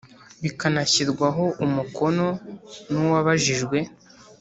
bikanashyirwaho umukono n uwabajijwe